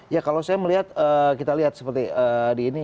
ya kalau saya melihat kita lihat seperti di ini